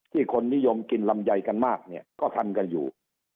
ที่คนนิยมกินลำไยกันมากก็ทันกันอยู่